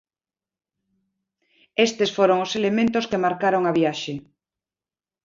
Estes foron os elementos que marcaron a viaxe.